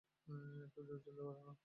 একটু ধীরে চলতে পারো না?